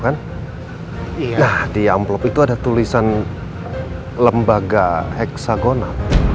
nah di amplop itu ada tulisan lembaga eksagona